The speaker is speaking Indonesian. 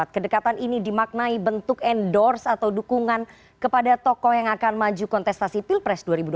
kedekatan ini dimaknai bentuk endorse atau dukungan kepada tokoh yang akan maju kontestasi pilpres dua ribu dua puluh